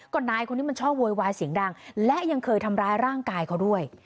ก็นายคนนี้มันชอบโวยวายเสียงดังและยังเคยทำร้ายร่างกายเขาด้วย